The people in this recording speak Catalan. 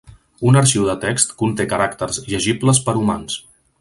Un arxiu de text conté caràcters llegibles per humans.